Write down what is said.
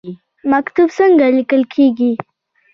مکتوب څنګه لیکل کیږي؟